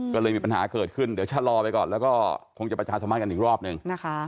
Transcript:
ก็เลยมีปัญหาเกิดขึ้นเดี๋ยวชะลอไปก่อนแล้วก็คงจะประชาสัมพันธ์กันอีกรอบหนึ่งนะคะ